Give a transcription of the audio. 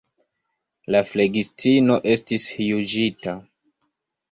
La flegistino estis juĝita.